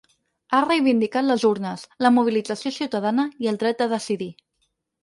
Ha reivindicat les urnes, la mobilització ciutadana i el dret de decidir.